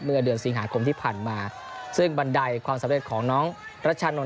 เมื่อเดือนสิงหาคมที่ผ่านมาซึ่งบันไดความสำเร็จของน้องรัชชานนท